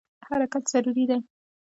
حرکت ضروري دی.